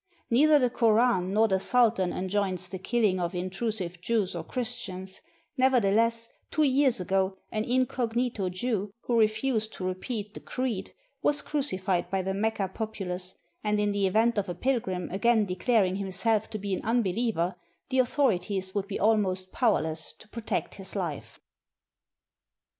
Neither the Koran nor the Sultan enjoins the killing of intrusive Jews or Christians; nevertheless, two years ago, an incognito Jew, who re fused to repeat the creed, was crucified by the Mecca populace, and in the event of a pilgrim again declaring himself to be an unbeliever the authorities would be ahnost powerless to protect his life.